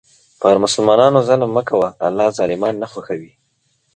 پر مسلمانانو ظلم مه کوه، الله ظالمان نه خوښوي.